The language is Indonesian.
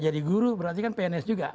jadi guru berarti kan pns juga